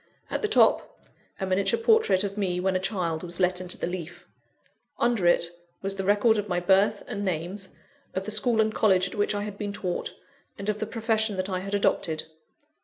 At the top, a miniature portrait of me, when a child, was let into the leaf. Under it, was the record of my birth and names, of the School and College at which I had been taught, and of the profession that I had adopted.